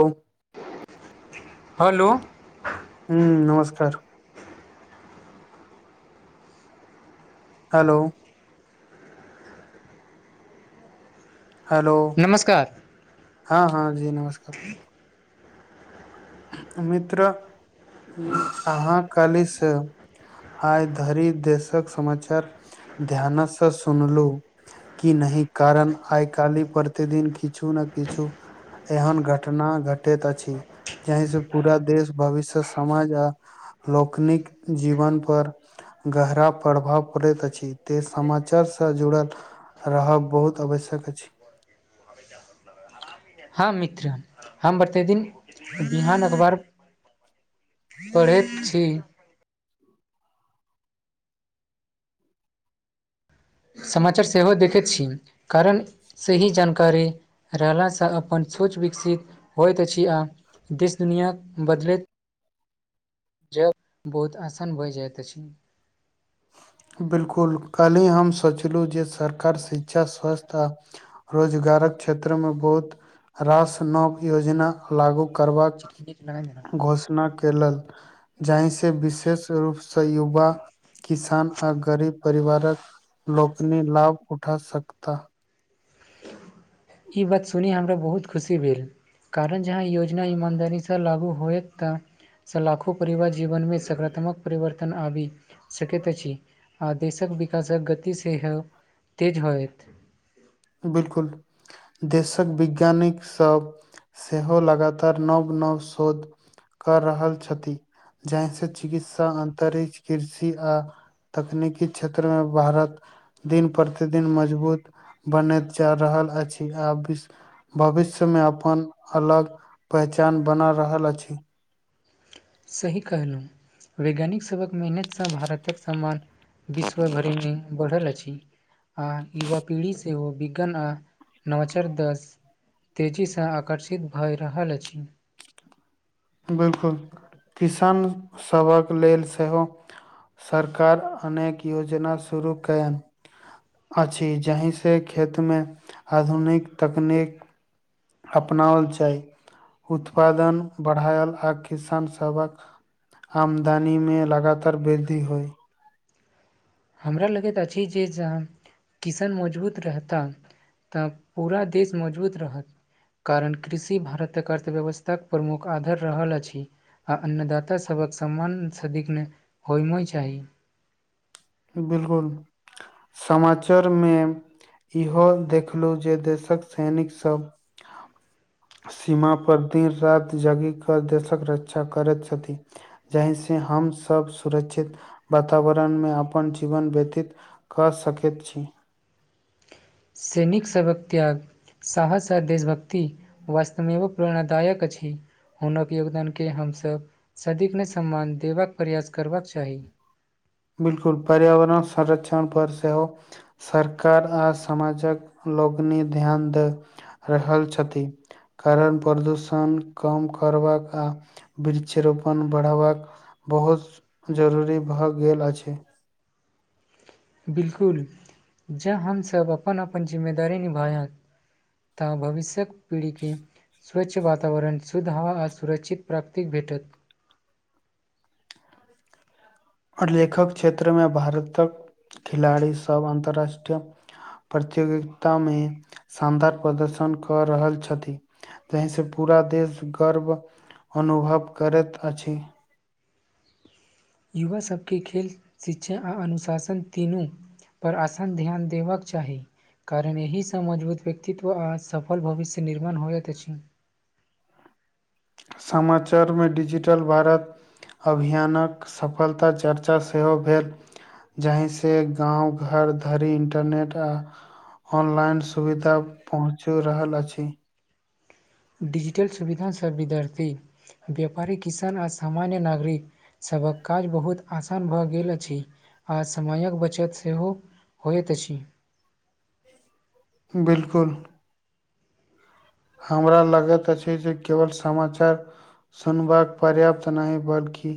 ओ [inaudible] hello हू नमस्कार hello hello नमस्कार हँ हँ जी नमस्कार मित्र अहाँ काहली से आइ धरि देशक समाचार ध्यान से सुनलू कि नहि कारण आइ कालहि प्रतिदिन किछु ने किछु एहन घटना घटैत अछि यही से पूरा देश भविष्य समाज आ लोकौनिक जीवन पर गहरा प्रभाव पड़ैत अछि ते समाचारसँ जुड़ल रहब बहुत आवश्यक अछि हँ मित्र हम प्रतिदिन बिहान अखबार पढ़ैत छी समाचार सेहो देखैत छी कारण सही जानकारी रहलासँ अपन सोच विकसित होइत अछि आ देश दुनिआ बदलैत जब बहुत आसान भए जाइत अछि बिलकुल काल्हि हम सोचलहुँ जे सरकार शिक्षा स्वस्थ आ रोजगारक क्षेत्र मे बहुत रास नव योजना लागू करबाक घोषणा केलक जाहिसँ विशेष रूपसँ युवा किसान आ गरीब परिवारक लोकनि लाभ उठा सकता ई बात सुनि हमरा बहुत खुशी भेल कारण जहाँ योजना ईमानदारीसँ लागू होयत तऽ लाखो परिवार जीवन मे सकारात्मक परिवर्तन आबी सकैत अछी आ देशक विकासक गति सेहो तेज होत बिलकुल देशक वैज्ञानिक सब सेहो लगातार नव नव शोध कर रहल छथि जहिस चिकित्सा अन्तरिक्ष कृषि आ तकनीकी क्षेत्रमे भारत दिन प्रतिदिन मजबूत बनैत जा रहल अछि आ वि भविष्य मे अपन अलग पहचान बना रहल अछि सही कहलहुँ वैज्ञानिक सभक मेहनतसँ भारतक समान विश्व भरि मे बढ़ल अछि आ युवा पीढ़ी सेहो विज्ञान आ नवचार दस तेजीसँ आकर्षित भऽ रहल अछि बिलकुल किसान सभक लेल सेहो सरकार अनेक योजना शुरू कयैन अछि जाहिसँ खेतमे आधुनिक तकनीक अपनाओल जाय उत्पादन बढ़ायल आ किसान सभक आमदनीमे लगातार वृद्धि होइ हमरा लगैत अछि जे जहाँ किसान मजबूत रहता तऽ पूरा देश मजबूत रहत कारण कृषि भारतक अर्थव्यवस्था के प्रमुख आधार रहल अछि आ अन्नदाता सभक सम्मान सदिग्न होय चाही बिल्कुल समाचार मे इहो देखलू जे देशक सैनिक सब सीमा पर दिन राति जगी कऽ देशक रक्षा करैत छथि जहि से हम सब सुरक्षित वातावरण मे अपन जीवन व्यतीत कऽ सकैत छी सैनिक सभक त्याग साहस आ देशभक्ति वस्तमेव प्रेरणादायक अछि हुनक योगदानके हमसभ सदिग्न सम्मान देबाक प्रयास करबाक चाही बिल्कुल पर्यावरण संरक्षण पर सेहो सरकार आ समाजक लोकनि ध्यान दऽ रहल छथि कारण प्रदूषण कम करबाक आ वृक्षरोपण बढ़बाक बहुत जरूरी भऽ गेल अछि बिल्कुल जँ हमसभ अपन अपन जिम्मेदारी निभाय तऽ भविष्यक पीढ़ीे स्वच्छ वातावरण शुद्ध हवा आ सुरक्षित प्राप्तिक भेटत आओर लेखक क्षेत्र मे भारतक खिलाड़ी सब अन्तरराष्ट्रीय प्रतियोगिता मे शानदार प्रदर्शन कऽ रहल छथि तहि से पूरा देश गर्व अनुभव करैत अछि युवासभके खेल शिक्षा आ अनुशासन तीनू पर आसन ध्यान देबऽके चाही कारण एहिसँ मजबूत व्यक्तित्व आ सफल भविष्य निर्माण हो जाइत अछि समाचारमे डिजिटल भारत अभियानक सफलता चर्चा सेहो भेल जहीसँ गाँव घर धरि इंटरनेट आ ऑनलाइन सुविधा पहुँचि रहल अछि डिजिटल सुविधा सब विद्यार्थी व्यापारी किसान आ सामान्य नागरिक सभक काज बहुत आसान भऽ गेल अछि आ समयक बचत सेहो होइत अछि बिल्कुल हमरा लगैत अछि जे केवल समाचार सुनबाक पर्याप्त नहि बल्कि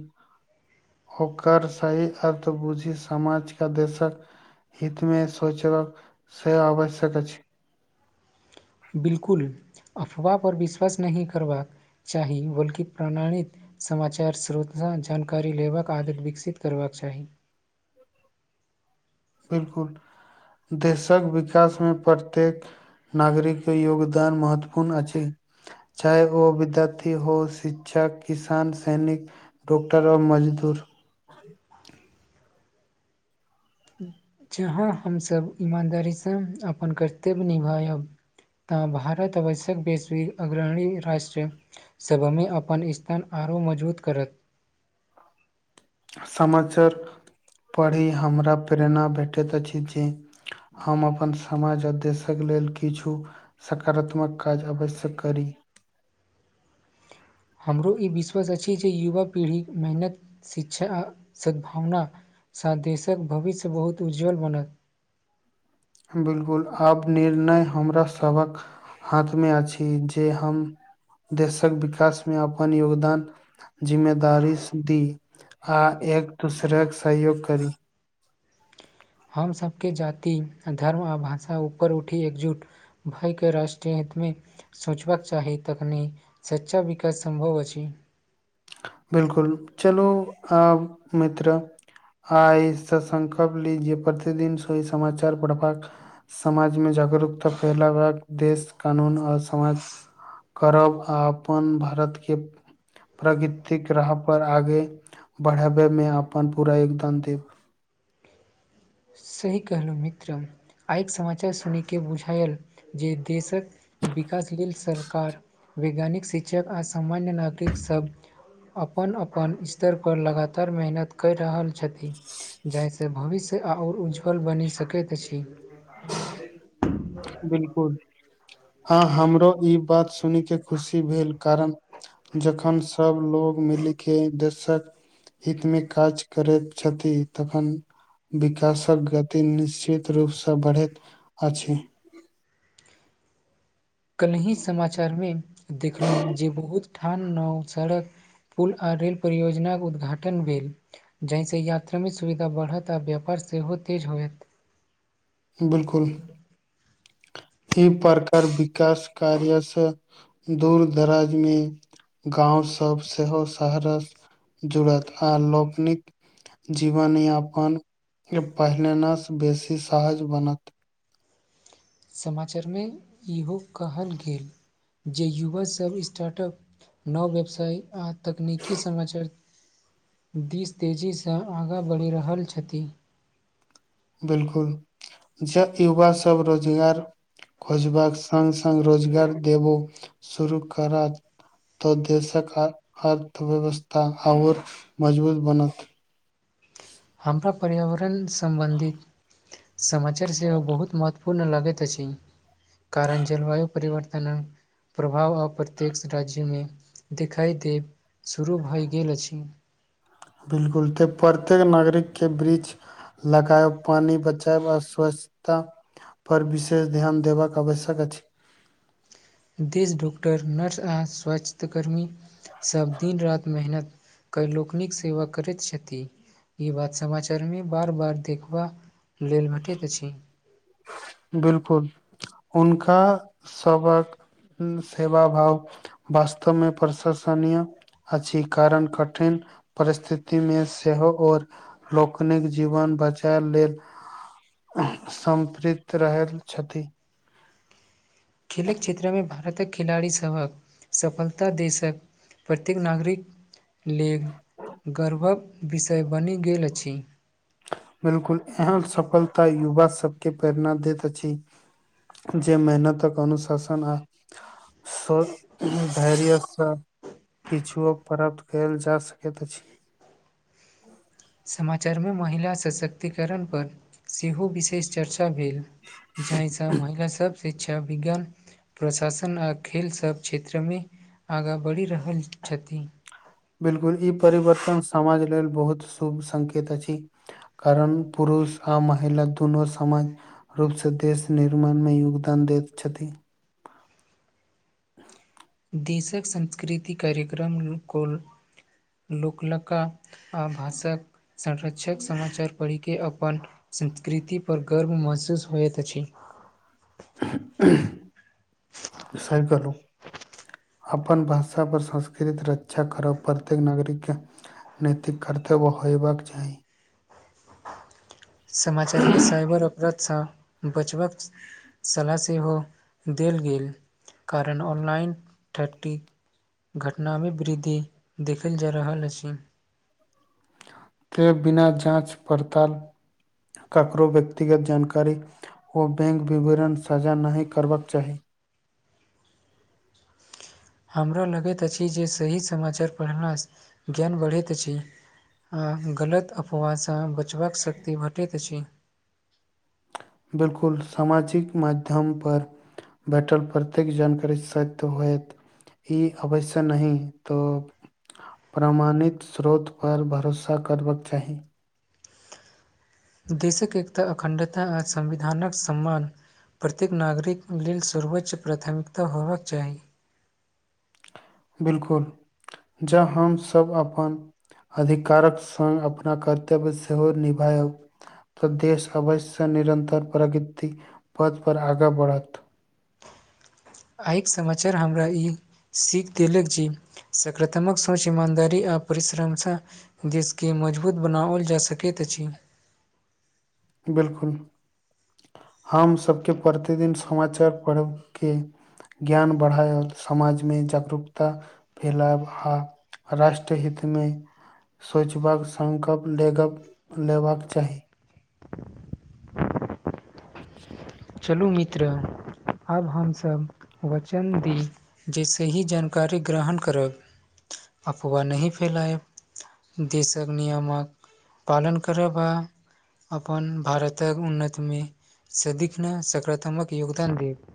ओकर सही अर्थ बुझि समाजके देशक हितमे सोचवा सेहो आवश्यक अछि बिल्कुल अफवाह पर विश्वास नहि करबाक चाही बल्कि प्रणालित समाचार श्रोत जानकारी लेबाक आदत विकसित करबाक चाही बिल्कुल देशक विकास मे प्रत्येक नागरिकके योगदान महत्वपूर्ण अछि चाहे ओ विद्यार्थी हो शिक्षक किसान सैनिक डॉकटरओ मजदूर जहाँ हमसभ ईमानदारीसँ अपन कर्तव्य निभायब त भारत आवश्यक बेसी अग्रणी राष्ट्र सभमे अपन स्थान आओरो मजबूत करत समाचार पढ़ी हमरा प्रेरणा भेटैत अछि जे हम अपन समाज आ देशक लेल किछु सकारात्मक काज अवश्य्यक करी हमरो ई विश्वास अछि जे युवा पीढ़ी मेहनत शिक्षा आ सद्भावना साथ देशक भविष्य बहुत उज्ज्वल बनत बिल्कुल आब निर्णय हमरा सभक हाथमे अछि जे हम देशक विकास मे अपन योगदान जिम्मेदारी दी आ एक दोसरा के सहयोग करी हमसभके जाति धर्म आ भाषा ऊपर उठि एकजुट भई के राष्ट्रीय हितमे सोचबाक चाही तखनी सच्चा विकास सम्भव अछि बिल्कुल चलू आब मित्र आय सँ संकल्प ली जे प्रतिदिन सोई समचार पढ़बाक समाजमे जागरूकता फैलाव देश कानून आओर समाज करब आ अपन भारतके प्रगृतिक राह पर आगे बढ़ाबैमे अपन पूरा योगदान देब सही कहलहुँ मित्र आयके समाचार सुनिके बुझायल जे देशक विकास लेल सरकार वैज्ञानिक शिक्षक आ सामान्य नागरिक सब अपन अपन स्तर पर लगातार मेहनत करि रहल छथिन जाहिसँ भविष्य आ ओर उज्ज्वल बनि सकैत अछि हमर बिल्कुल हँ हमरो ई बात सुन के खुशी भेल कारण जखन सभ लोग मिलके देशक हित मे काज करैत छथि तखन विकासक गति निश्चित रूपसँ बढ़ैत अछि कल्हि समाचार मे देखलहु जे बहुत ठान नाव सड़क पुल आ रेल परियोजनाक उद्घाटन भेल जाहिसँ यात्रामे सुविधा बढ़त आ व्यापार सेहो तेज होयत बिल्कुल [unintelligible] ई प्रकार विकास कार्यसँ दूर दराज मे गाँव सभ सेहो शहरस जुड़त आ लोकनिक जीवनयापन पहिलेनेसँ बेसी सहज बनत समाचारमे इहो कहल गेल जे युवासभ स्टार्टअप नव व्यवसाय आ तकनीकी समाचार दिस तेजीसँ आगाँ बढ़ि रहल अछि बिल्कुल ज युवा सब रोजगार खोजबाक सङ्ग सङ्ग रोजगार देबो शुरू करत तऽ देशक अर्थव्यवस्था आओर मजबूत बनत हमरा पर्यावरण सम्बन्धित समाचार सेहो बहुत महत्वपूर्ण लगैत अछि कारण जलवायु परिवर्तन प्रभाव अप्रत्यक्ष राज्यमे देखाइ देब शुरू भऽ गेल अछि बिल्कुल तऽ प्रत्येक नागरिकके वृक्ष लगायब पानी बचायब अ स्व्चछता पर विशेष ध्यान देबाक आवश्यक अछि देश डॉकटर नर्स आ स्वस्थ्यकर्मी सभ दिन रात मेहनत क लोकनिक सेवा करैत छथि ई बात समाचार मे बार बार देखबा लेल भेटैत अछि बिल्कुल उनका सबक सेवा भाव वास्तवमे प्रशसनीय अछि कारण कठिन परिस्थितिमे सेहो ओर लोकनिक जीवन बचे लेल सम चित रहल छथि खेलक क्षेत्रमे भारतक खीलाड़ी सभक सफलता देशक प्रत्येक नागरिक लेल गर्वक विषय बनि गेल अछि बिल्कुल एहन सफलता युवा सबके प्रेरणा दैत अछि जे मेहनतक अनुशासन आ सब धैर्य सङ्ग किछुअ प्राप्त कयल जा सकैत अछि समाचारमे महिला सशक्तिकरणपर सेहो विशेष चर्चा भेल जहिसँ महिला सब शिक्षा विज्ञान प्रशासन आ खेलसब क्षेत्रमे आगाँ बढ़ि रहल छथि बिलकुल ई परिवर्तन समाज लेल बहुत शुभ संकेत अछि कारण पुरुष आ महिला दुनू समाज रूपसँ देश निर्माणमे योगदान दैत छथि देशक संस्कृति कार्यक्रम को लोकलका आ भाषाक संरक्षक समाचार पढ़िके अपन संस्कृति पर गर्व महसूस होइत अछि सही कहलौं अपन भाषा पर संस्कृत रक्षा कर परतै नागरिकके नैतिक कर्तव्य होयबाक चाही समाचारमे साइबर अपराधसँ बचबाक सलाह सेहो देल गेल कारण ऑनलाइन थतीक घटनामे वृद्धि देखल जा रहल अछि ते बिना जाँच पड़ताल ककरो व्यक्तिगत जानकारी ओ बैंक विवरण साझा नहि करबाक चाही हमरा लगैत अछि जे सही समाचार पढ़लासँ ज्ञान बढ़ैत अछि आ गलत अफवाहसँ बचबाक शक्ति भेटैत अछि बिलकुल सामाजिक माध्यम पर बैठल प्रत्येक जानकारी सक्त होयत ई अवश्य नही तो प्रमाणित स्रोत पर भरोसा करबाक चाही देशक एक तऽ अखण्डता आ संविधानक सम्मान प्रत्येक नागरिक लेल सर्वोच्च प्राथमिकता होबाक चाही बिलकुल जँ हमसब अपन अधिकारक सङ्ग अपना कर्तव्य सेहो निभायब तऽ देश अवश्यनिरन्तर प्रगति पथ पर आगाँ बढ़त आइके समाचार हमरा ई सीख देलक जे सकारात्मक सूच ईमानदारी आ परिश्रमसँ देिसके मजबूत बनाओल जा सकैत अछि बिलकुल हम सबके प्रतिदिन समाचार पढ़ब के ज्ञान बढ़ाय समाजमे जागरूकता फैलाब हा राष्ट्र हितमे सोचबाक सङकप ले गप लेबाक चाही [inaudible] चलू मित्र आब हमसब वचन दी जैसे ही जानकारी ग्रहण करब अफवा नहि फैलायब देशक नियमक पालन करब आ अपन भारतक उन्नतिमे सदिखन सकारात्मक योगदान देब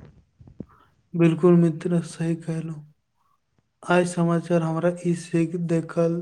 बिलकुल मि त्र सही कहलहु आइ समाचार हमराके ई सीख देखल